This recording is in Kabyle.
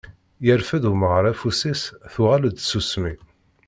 Yerfed umɣar afus-is tuɣal-d tsusmi.